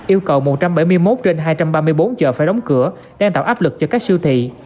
yêu cầu một trăm bảy mươi một trên hai trăm ba mươi bốn chợ phải đóng cửa đang tạo áp lực cho các siêu thị